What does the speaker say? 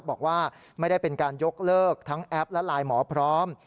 บอกว่าไม่ได้เป็นการยกเลิกทั้งแอปและไลน์หมอพร้อม